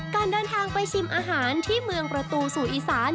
การเดินทางไปชิมอาหารที่เมืองประตูสู่อีสาน